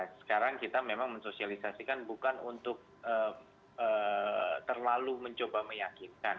sekarang kita memang mensosialisasikan bukan untuk terlalu mencoba meyakinkan